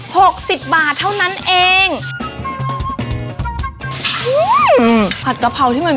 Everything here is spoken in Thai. แป๊บเดียว